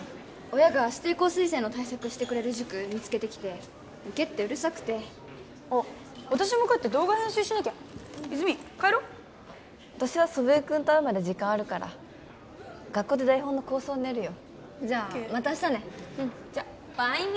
親が指定校推薦の対策してくれる塾見つけてきて行けってうるさくてあっ私も帰って動画編集しなきゃ泉帰ろう私は祖父江君と会うまで時間あるから学校で台本の構想練るよじゃあまた明日ねＯＫじゃあバイミ！